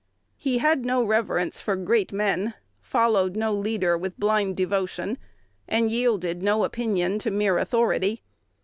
He had no reverence for great men, followed no leader with blind devotion, and yielded no opinion to mere authority.